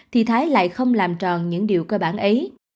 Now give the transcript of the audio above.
thì thái lại không làm tròn những điều cơ bản ấy